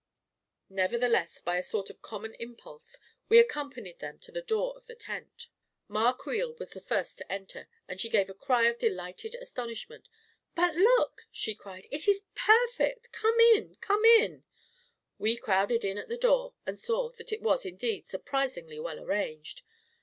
Nevertheless, by a sort of common impulse, we accompanied them to the door of the tent. Ma A KING IN BABYLON 115 Creel was the first to enter, and she gave a cry of delighted astonishment. " But look !" she cried. " It is perfect \ Come in 1 Come in !" We crowded in at the door and saw that it was, indeed, surprisingly well arranged.